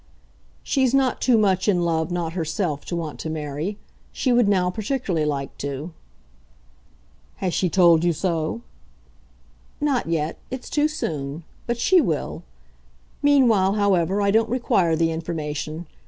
"She's not too much in love not herself to want to marry. She would now particularly like to." "Has she told you so?" "Not yet. It's too soon. But she will. Meanwhile, however, I don't require the information.